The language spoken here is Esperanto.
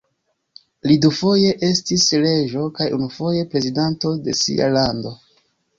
Li dufoje estis reĝo kaj unufoje prezidanto de sia lando.